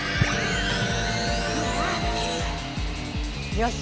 よし！